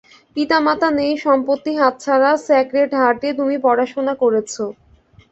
পিতামাতা নেই, সম্পত্তি হাতছাড়া, স্যাক্রেড হার্টে তুমি পড়াশোনা করেছ।